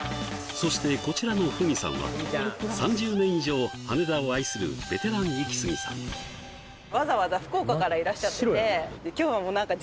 そしてこちらの３０年以上羽田を愛するベテランイキスギさんそうなんです